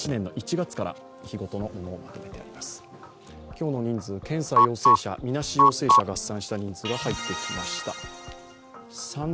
今日の検査陽性者、みなし陽性者合算した人数が入ってきました。